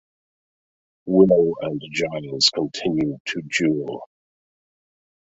Willow and Giles continue to duel.